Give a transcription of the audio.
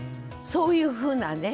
そういうふうなね